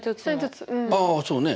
あそうね